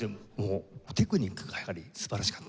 テクニックがやはり素晴らしかった。